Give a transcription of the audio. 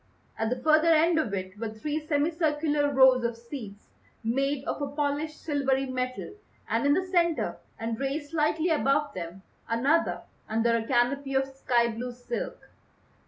At the further end of it were three semi circular rows of seats made of a polished silvery metal, and in the centre and raised slightly above them another under a canopy of sky blue silk.